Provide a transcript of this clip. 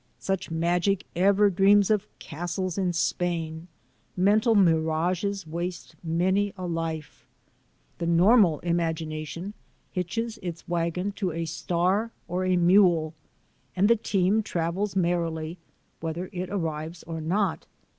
Such magic ever dreams of castles in Spain. Mental mirages waste many a life. The normal imagination hitches its wagon to a star or a mule, and the team travels merrily, whether it arrives or not.